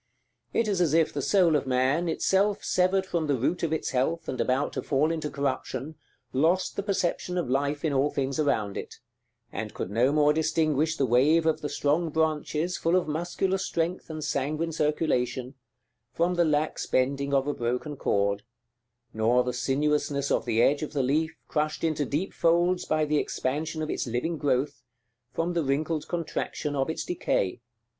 It is as if the soul of man, itself severed from the root of its health, and about to fall into corruption, lost the perception of life in all things around it; and could no more distinguish the wave of the strong branches, full of muscular strength and sanguine circulation, from the lax bending of a broken cord, nor the sinuousness of the edge of the leaf, crushed into deep folds by the expansion of its living growth, from the wrinkled contraction of its decay.